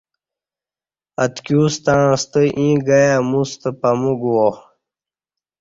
اتکیوستݩع ستہ ایں گائ اموستہ پامو گُووا